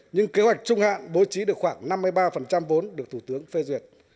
nhưng kế hoạch trung hạn bố trí được khoảng năm mươi ba vốn được thủ tướng phê duyệt